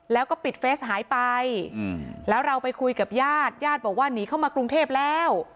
แล้วก็ปิดเฟสหายไปแล้วเราไปคุยกับญาติญาติบอกว่าหนีเข้ามากรุงเทพแล้ว